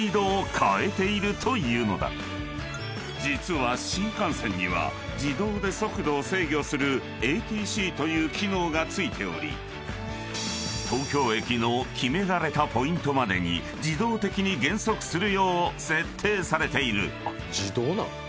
［実は新幹線には自動で速度を制御するＡＴＣという機能が付いており東京駅の決められたポイントまでに自動的に減速するよう設定されている］